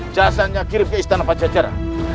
jasanya kirim ke istana pajajaran